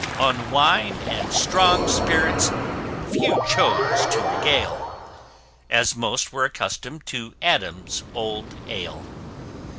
On wine and strong spirits few chose to regale, As most were accustom'd to Adam's old ale.